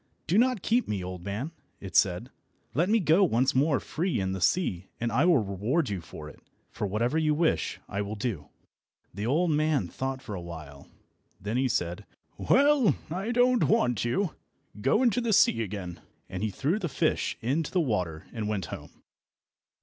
"Do not keep me, old man," it said; "let me go once more free in the sea and I will reward you for it, for whatever you wish I will do." The old man thought for a while. Then he said, "Well, I don't want you. Go into the sea again," and he threw the fish into the water and went home.